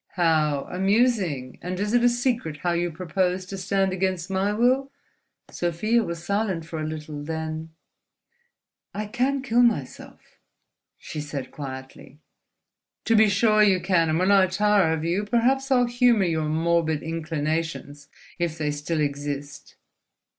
"How amusing! And is it a secret, how you propose to stand against my will?" Sofia was silent for a little; then, "I can kill myself," she said, quietly. "To be sure you can! And when I tire of you, perhaps I'll humour your morbid inclinations—if they still exist."